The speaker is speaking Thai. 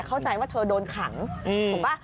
เข้าใจว่าเธอโดนขังถูกป่ะ